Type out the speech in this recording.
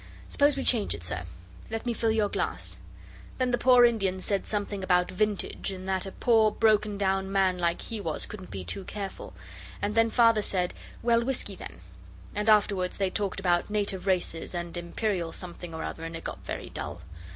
Suppose we change it, sir. Let me fill your glass.' Then the poor Indian said something about vintage and that a poor, broken down man like he was couldn't be too careful. And then Father said, 'Well, whisky then,' and afterwards they talked about Native Races and Imperial something or other and it got very dull.